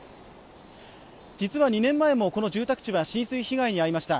実は２年前もこの住宅地は浸水被害に遭いました